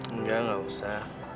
enggak enggak usah